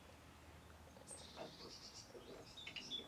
গর্দান পুরোটা না কাটলেও শাহরগ ঠিকই কেটে যায়।